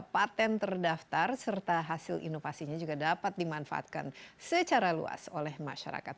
patent terdaftar serta hasil inovasinya juga dapat dimanfaatkan secara luas oleh masyarakat